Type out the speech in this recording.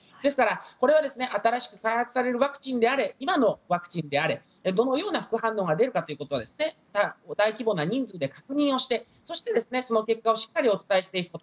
これは新しく開発されるワクチンであれ今のワクチンであれどのような副反応が出るか大規模な人数で確認をしてその結果をしっかりお伝えしていくこと。